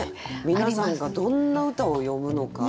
皆さんがどんな歌を詠むのか。